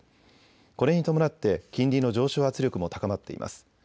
これに伴って金利の上昇圧力も高まっています。